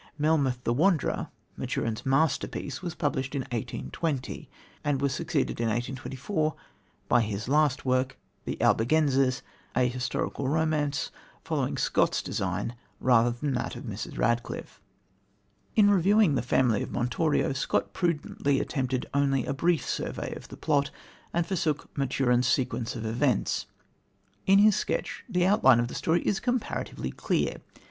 Melmoth the Wanderer, Maturin's masterpiece, was published in 1820, and was succeeded in 1824 by his last work, The Albigenses, a historical romance, following Scott's design rather than that of Mrs. Radcliffe. In reviewing The Family of Montorio, Scott prudently attempted only a brief survey of the plot, and forsook Maturin's sequence of events. In his sketch the outline of the story is comparatively clear.